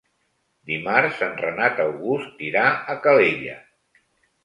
Dimarts en Renat August irà a Calella.